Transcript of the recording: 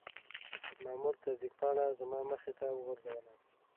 مامور تصدیق پاڼه زما مخې ته وغورځوله.